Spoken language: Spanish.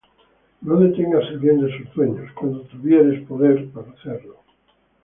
No detengas el bien de sus dueños, Cuando tuvieres poder para hacerlo.